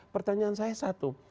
pertanyaan saya satu